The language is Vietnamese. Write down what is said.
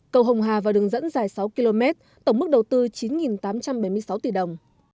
cầu hồng hà vào đường dẫn dài sáu km tổng mức đầu tư chín tám trăm bảy mươi sáu tỷ đồng